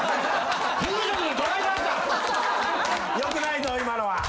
よくないぞ今のは。